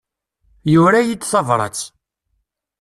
Yura-iyi-d tabrat.